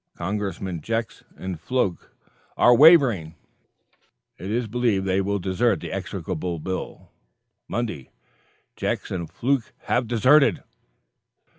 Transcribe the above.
"Congressmen Jex and Fluke are wavering; it is believed they will desert the execrable bill." MONDAY. "Jex and Fluke have deserted!"